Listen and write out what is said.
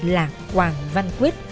là quảng văn quyết